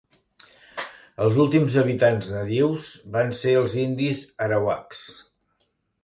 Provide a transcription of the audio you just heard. Els últims habitants nadius van ser els Indis arawaks.